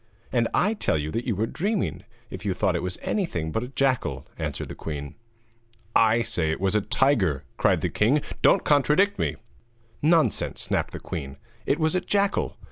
'And I tell you that you were dreaming if you thought it was anything but a jackal,' answered the queen. 'I say it was a tiger,' cried the king; 'don't contradict me.' 'Nonsense!' snapped the queen. 'It was a jackal.'